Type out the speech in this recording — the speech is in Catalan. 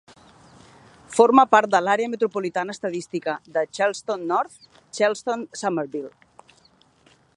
Forma part de l'àrea metropolitana estadística de Charleston-North Charleston-Summerville.